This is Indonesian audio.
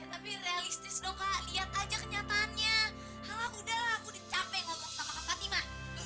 tapi realistis dong kak lihat aja kenyataannya halah udah aku capek ngobrol sama fatima